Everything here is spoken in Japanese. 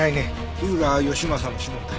火浦義正の指紋だ。